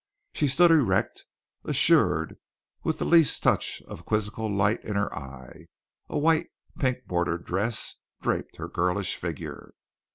She stood erect, assured, with the least touch of quizzical light in her eye. A white, pink bordered dress draped her girlish figure.